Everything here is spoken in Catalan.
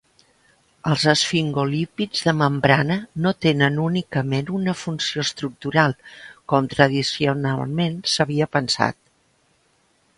Els esfingolípids de membrana no tenen únicament una funció estructural, com tradicionalment s'havia pensat.